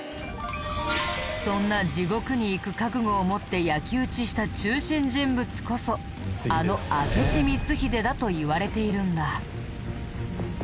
そんな地獄に行く覚悟を持って焼き討ちした中心人物こそあの明智光秀だといわれているんだ。